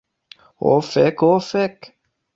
Ho fek... ho fek'...